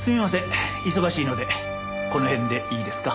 忙しいのでこの辺でいいですか？